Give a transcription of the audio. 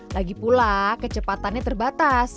lagi pula kecepatannya terbatas